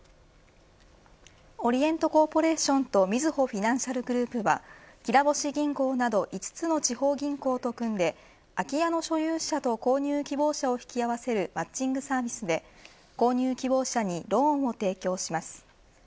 オリエントコーポレーションとみずほフィナンシャルグループはきらぼし銀行など５つの地方銀行と組んで空き家の所有者と購入希望者を引き合わせるマッチングサービスで購入希望者にローンを提供します。